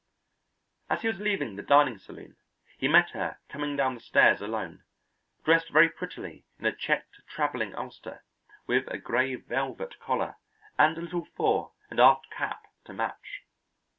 As he was leaving the dining saloon he met her coming down the stairs alone, dressed very prettily in a checked travelling ulster with a gray velvet collar, and a little fore and aft cap to match.